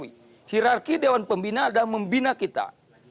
dan itu berarti dewan pembina adalah membina kita